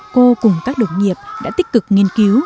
cô cùng các đồng nghiệp đã tích cực nghiên cứu